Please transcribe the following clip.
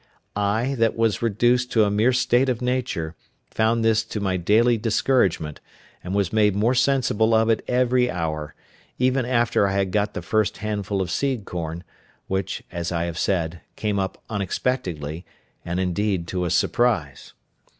I, that was reduced to a mere state of nature, found this to my daily discouragement; and was made more sensible of it every hour, even after I had got the first handful of seed corn, which, as I have said, came up unexpectedly, and indeed to a surprise.